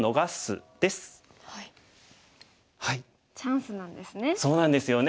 チャンスなんですね。